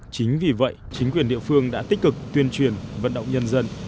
chính vì vậy chính quyền địa phương đã tích cực tuyên truyền vận động nhân dân